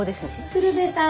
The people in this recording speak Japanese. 鶴瓶さん。